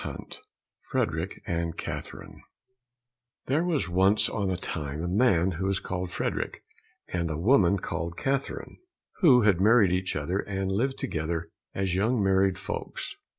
59 Frederick and Catherine There was once on a time a man who was called Frederick and a woman called Catherine, who had married each other and lived together as young married folks.